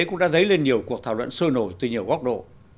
cũng đã dấy lên nhiều cuộc thảo luận sôi nổi từ nhiều góc độ